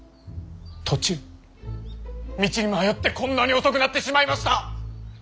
途中道に迷ってこんなに遅くなってしまいました。